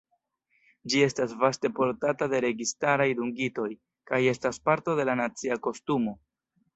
Ĝi estas vaste portata de registaraj dungitoj, kaj estas parto de la nacia kostumo.